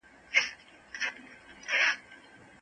بائن صغری طلاق کوم حالت ته ويل کيږي؟